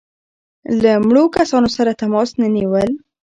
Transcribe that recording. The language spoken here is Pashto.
له مړو کسانو سره تماس نه نیول.